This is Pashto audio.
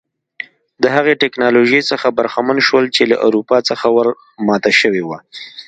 د هغې ټکنالوژۍ څخه برخمن شول چې له اروپا څخه ور ماته شوې وه.